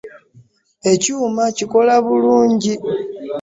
Ekyuma kikola bulungi.